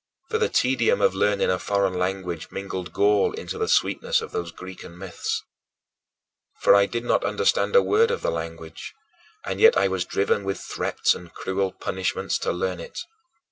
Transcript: For the tedium of learning a foreign language mingled gall into the sweetness of those Grecian myths. For I did not understand a word of the language, and yet I was driven with threats and cruel punishments to learn it.